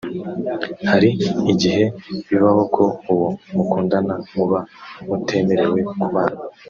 Hari igihe bibaho ko uwo mukundana muba mutemerewe kubana